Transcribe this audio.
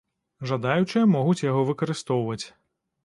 Жадаючыя могуць яго выкарыстоўваць.